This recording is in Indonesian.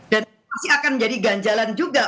dan akan jadi ganjalan juga